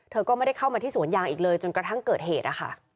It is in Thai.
ก็ไม่ได้เข้ามาที่สวนยางอีกเลยจนกระทั่งเกิดเหตุนะคะ